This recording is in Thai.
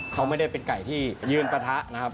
เขาไม่ได้เป็นไก่ที่ยืนปะทะนะครับ